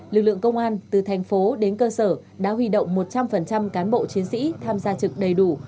lực lượng công an từ thành phố đến cơ sở đã huy động một trăm linh cán bộ chiến sĩ tham gia trực đầy đủ